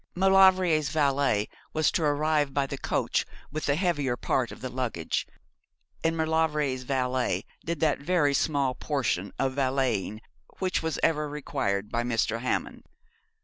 Maulevrier's valet was to arrive by the coach with the heavier part of the luggage, and Maulevrier's valet did that very small portion of valeting which was ever required by Mr. Hammond.